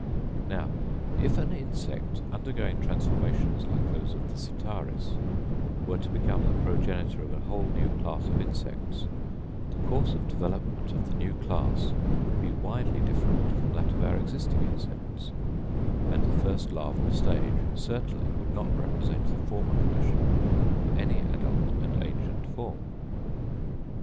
Now, if an insect, undergoing transformations like those of the Sitaris, were to become the progenitor of a whole new class of insects, the course of development of the new class would be widely different from that of our existing insects; and the first larval stage certainly would not represent the former condition of any adult and ancient form.